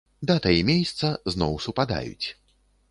Дата і мейсца зноў супадаюць.